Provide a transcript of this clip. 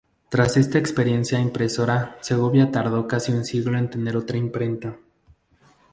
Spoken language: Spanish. Tras esta experiencia impresora Segovia tardó casi un siglo en tener otra imprenta.